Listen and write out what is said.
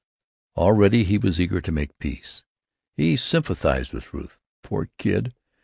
Already he was eager to make peace. He sympathized with Ruth. "Poor kid!